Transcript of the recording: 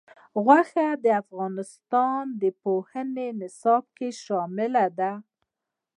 غوښې د افغانستان د پوهنې نصاب کې شامل دي.